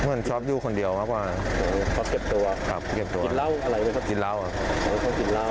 เพลือนช้อฟต์อยู่คนเดียวมากกว่านัก